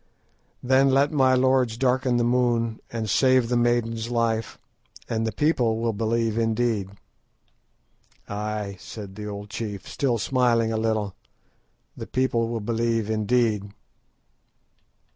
"Then let my lords darken the moon, and save the maiden's life, and the people will believe indeed." "Ay," said the old chief, still smiling a little, "the people will believe indeed."